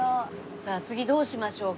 さあ次どうしましょうか？